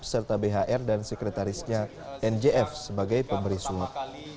serta bhr dan sekretarisnya njf sebagai pemberi suap